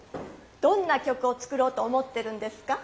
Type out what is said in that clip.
どんな曲を作ろうと思ってるんですか？